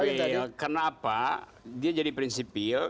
betul kenapa dia jadi prinsipil